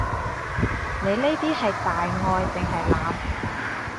你呢啲係大愛定係濫？